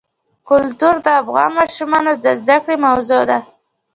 کلتور د افغان ماشومانو د زده کړې موضوع ده.